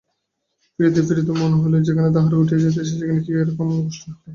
ফিরিতে ফিরিতে মনে হইল, যেখানে তাহারা উঠিয়া যাইতেছে সেখানে কি এরকম গোষ্ঠবিহার হয়?